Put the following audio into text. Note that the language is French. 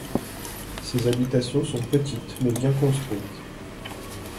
Ces habitations sont petites mais bien construites.